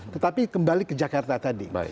tetapi kembali ke jakarta tadi